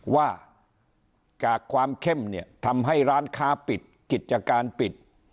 ว่าจากความเข้มเนี่ยทำให้ร้านค้าปิดกิจการปิด